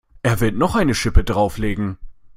Er wird noch eine Schippe drauflegen.